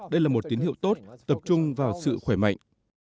đây là một tín hiệu tốt tập trung vào sự khỏe mạnh